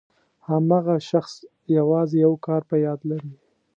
هماغه شخص یوازې یو کار په یاد لري.